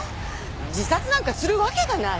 自殺なんかするわけがない。